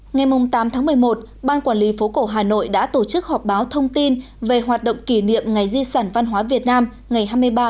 ngày tám một mươi một ban quản lý phố cổ hà nội đã tổ chức họp báo thông tin về hoạt động kỷ niệm ngày di sản văn hóa việt nam ngày hai mươi ba một mươi một